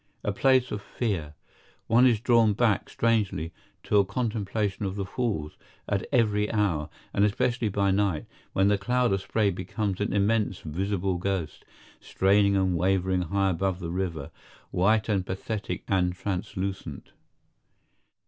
A place of fear. One is drawn back, strangely, to a contemplation of the Falls, at every hour, and especially by night, when the cloud of spray becomes an immense visible ghost, straining and wavering high above the river, white and pathetic and translucent.